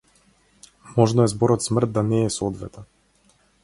Можно е зборот смрт да не е соодветен.